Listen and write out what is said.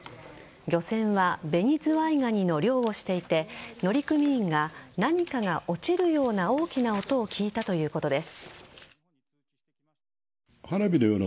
漁船はベニズワイガニの漁をしていて乗組員が何かが落ちるような大きな音を聞いたということです。